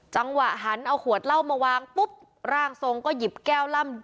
จังหวะหันเอาขวดเหล้ามาวางปุ๊บร่างทรงก็หยิบแก้วล่ำ